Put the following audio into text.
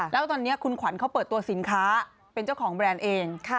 แล้วตอนนี้คุณขวัญเขาเปิดตัวสินค้าเป็นเจ้าของแบรนด์เอง